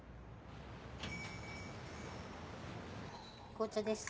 紅茶です。